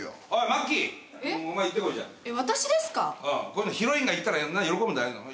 こういうのヒロインが行ったら喜ぶんだよ。